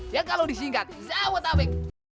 yang kalau disingkat zawo tabeng